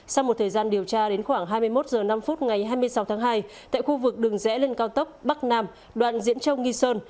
sau một thời gian điều tra đến khoảng hai mươi một h năm ngày hai mươi sáu tháng hai tại khu vực đường rẽ lên cao tốc bắc nam đoạn diễn châu nghi sơn